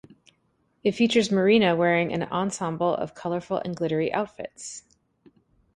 It features Marina wearing an ensemble of colorful and glittery outfits.